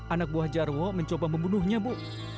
anak buah jarwo mencoba membunuhnya bu